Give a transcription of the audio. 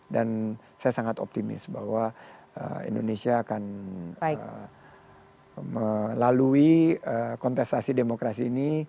dan saya sangat optimis bahwa indonesia akan melalui kontestasi demokrasi ini